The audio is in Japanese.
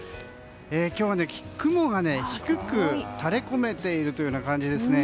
今日、雲が低く垂れこめているような感じですね。